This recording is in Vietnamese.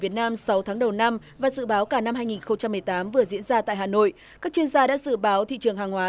chuyên gia đã dự báo thị trường hàng hóa